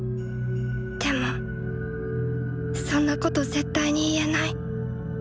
でもそんなこと絶対に言えない。